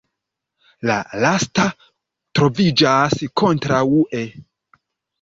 La lasta troviĝas kontraŭe.